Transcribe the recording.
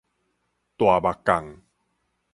大目降